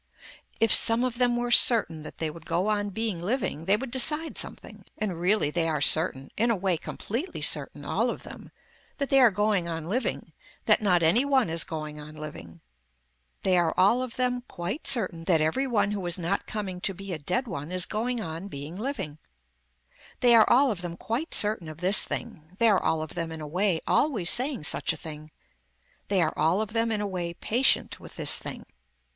If some of them were certain that they would go on being living, they would decide something. And really they are certain, in a way completely certain, all of them, that they are going on living, that not any one is going on living. They are all of them quite certain that every one who is not coming to be a dead one is going on being living. They are all of them quite certain of this thing. They are all of them in a way always saying such a thing. They are all of them in a way patient with this thing.